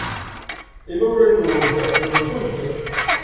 Imawlan-nwent ḥemmlen-kent.